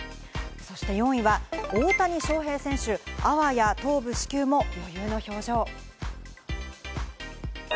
そして４位は大谷翔平選手、あわや頭部死球も余裕の表情。